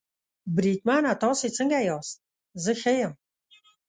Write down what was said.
بریدمنه تاسې څنګه یاست؟ زه ښه یم.